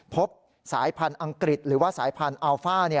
พบสายพันธุ์อังกฤษหรือว่าสายพันธุ์อัลฟ่า